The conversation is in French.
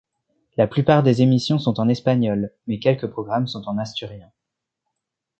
La plupart des émissions sont en espagnol, mais quelques programmes sont en asturien.